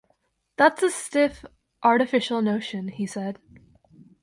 “That’s a stiff, artificial notion,” he said.